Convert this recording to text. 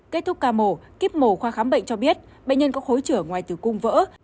kết thúc ca mổ kiếp mổ khoa khám bệnh cho biết bệnh nhân có khối chữa ngoài từ cung vỡ